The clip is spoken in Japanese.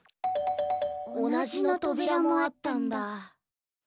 「おなじ」のとびらもあったんだ。